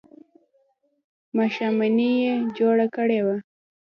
ماښامنۍ یې جوړه کړې وه.